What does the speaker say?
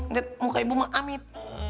ngeliat muka ibu sama amit